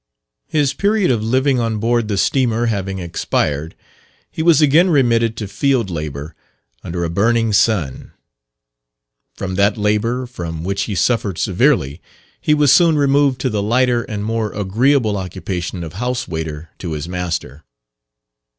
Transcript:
His period of living on board the steamer having expired, he was again remitted to field labour, under a burning sun. From that labour, from which he suffered severely, he was soon removed to the lighter and more agreeable occupation of house waiter to his master.